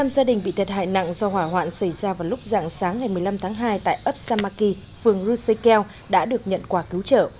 một mươi năm gia đình bị thiệt hại nặng do hỏa hoạn xảy ra vào lúc dạng sáng ngày một mươi năm tháng hai tại ấp samarki phường rusekel đã được nhận quà cứu trợ